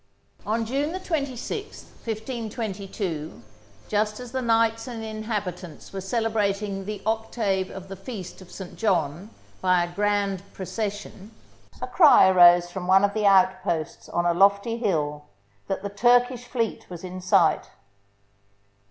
On June 26, 1522, just as the knights and in habitants were celebrating the Octave of the Feast of St. John by a grand procession, a cry arose from one of the outposts on a lofty hill that the Turkish fleet was in sight.